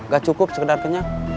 gak cukup sekedar kenyang